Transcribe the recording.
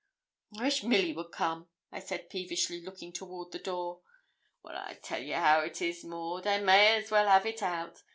'I wish Milly would come,' said I peevishly, looking toward the door. 'Well, I'll tell you how it is, Maud. I may as well have it out.